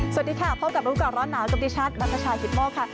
สวัสดีค่ะพบกับรู้กับร้อนหนาวสวัสดีชัดนักภาชาหิตมกค่ะ